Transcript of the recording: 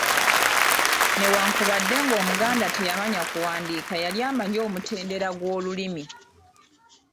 Newankubadde ng’Omuganda teyamanya kuwandiika yali amanyi omutendera gw’olulimi